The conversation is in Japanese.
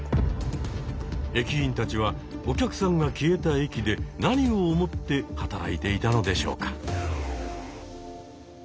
駅員たちはお客さんが消えた駅で何を思って働いていたのでしょうか？